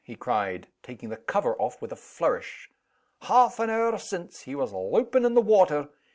he cried, taking the cover off with a flourish. "Half an hour since, he was loupin' in the water.